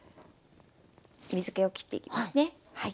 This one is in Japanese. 水けをきっていきますね。